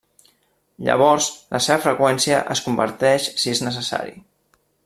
Llavors la seva freqüència es converteix si és necessari.